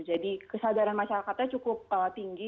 jadi kesadaran masyarakatnya cukup tinggi